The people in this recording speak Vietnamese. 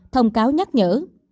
thông cáo nhắc nhở